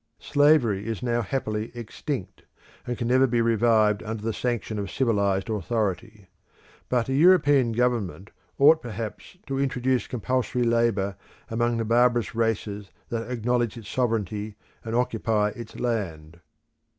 Slavery is now happily extinct, and can never be revived under the sanction of civilised authority. But a European Government, ought perhaps to introduce compulsory labour among the barbarous races that acknowledge its sovereignty and occupy its land.